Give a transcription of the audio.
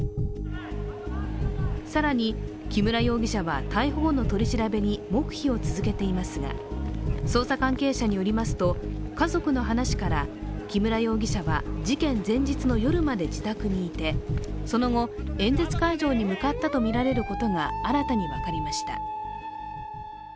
更に、木村容疑者は逮捕後の取り調べに黙秘を続けていますが捜査関係者によりますと、家族の話から木村容疑者は事件前日の夜まで自宅にいて、その後、演説会場に向かったとみられることが新たに分かりました。